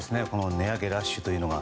値上げラッシュというのは。